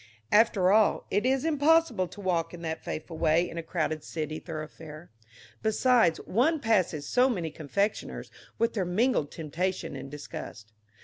After all, it is impossible to walk in that fateful way in a crowded city thoroughfare. Besides, one passes so many confectioners with their mingled temptation and disgust.